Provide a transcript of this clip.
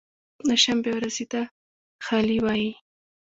د شنبې ورځې ته خالي وایی